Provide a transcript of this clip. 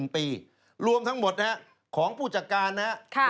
๑ปีรวมทั้งหมดของผู้จัดการนะครับ